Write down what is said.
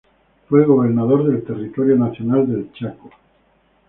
Fue gobernador del Territorio Nacional del Chaco.